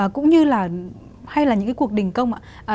cũng như là hay là những cái cuộc đình công ạ